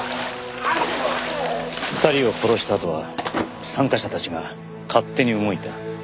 ２人を殺したあとは参加者たちが勝手に動いた。